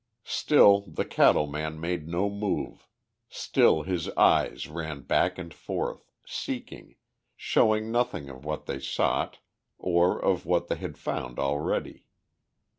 Still the cattle man made no move, still his eyes ran back and forth, seeking, showing nothing of what they sought or of what they had found already.